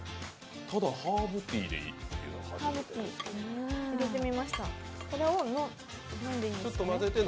ただハーブティーでって。